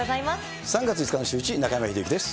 ３月５日のシューイチ、中山秀征です。